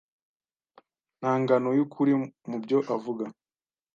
Nta ngano yukuri mubyo avuga.